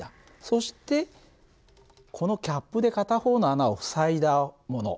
そしてこのキャップで片方の穴を塞いだもの。